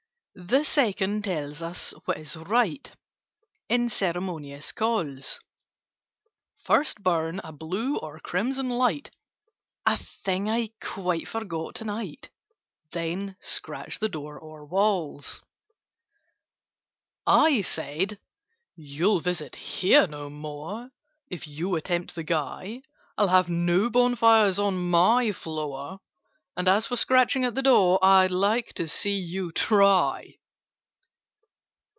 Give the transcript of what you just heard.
[Picture: And swing yourself from side to side] "The Second tells us what is right In ceremonious calls:— 'First burn a blue or crimson light' (A thing I quite forgot to night), 'Then scratch the door or walls.'" I said "You'll visit here no more, If you attempt the Guy. I'll have no bonfires on my floor— And, as for scratching at the door, I'd like to see you try!"